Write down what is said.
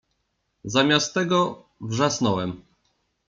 Zamiast tego wrzasnęłam